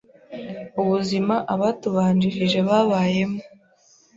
Ubuzima abatubanjirije babayemo